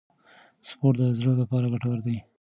سپورت د زړه لپاره ګټور دی.